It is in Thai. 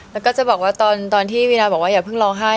แล้วก็จะบอกว่าตอนที่วีนาบอกว่าอย่าเพิ่งร้องไห้